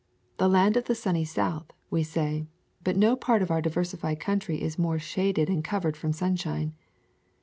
"The land of the sunny South," we say, but no part of our diversified country is more shaded and covered from sunshine.